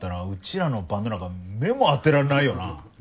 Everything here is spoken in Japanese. らのバンドなんか目も当てらんないよな？